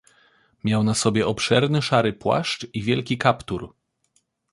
"Miał na sobie obszerny, szary płaszcz i wielki kaptur."